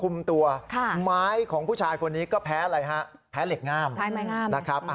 ไม้ของผู้ชายคนนี้ก็แพ้อะไรฮะ